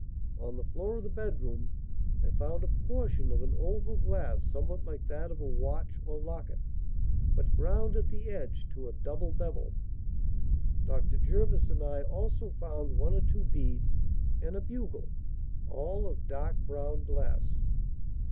On the floor of the bedroom, I found a portion of an oval glass somewhat like that of a watch or locket, but ground at the edge to a double bevel. Dr. Jervis and I also found one or two beads and a bugle, all of dark brown glass."